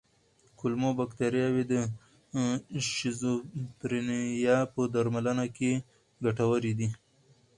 کولمو بکتریاوې د شیزوفرینیا په درملنه کې ګټورې دي.